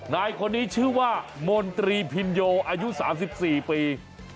นายคนนี้ชื่อว่ามนตรีพิมโยอายุสามสิบสี่ปี